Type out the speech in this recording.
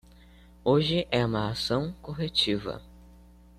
Hoje é uma ação corretiva